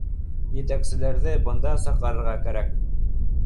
— Етәкселәрҙе бында саҡырырға кәрәк